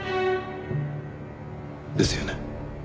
ですよね？